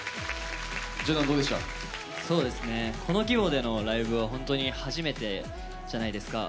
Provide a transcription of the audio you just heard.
この規模でのライブは本当に初めてじゃないですか。